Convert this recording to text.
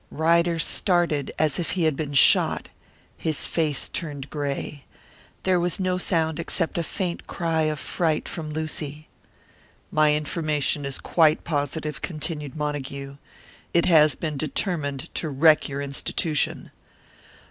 Ryder started as if he had been shot; his face turned grey. There was no sound except a faint cry of fright from Lucy. "My information is quite positive," continued Montague. "It has been determined to wreck your institution!"